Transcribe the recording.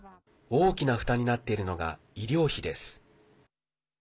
大きな負担になっているのが医療費です。